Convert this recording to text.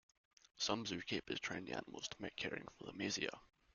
Some zookeepers train the animals to make caring for them easier.